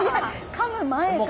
かむ前から。